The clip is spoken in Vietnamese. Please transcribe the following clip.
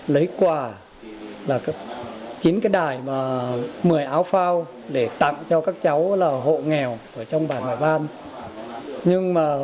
lấy quà là chín cái đài và một mươi áo phao để tặng cho các cháu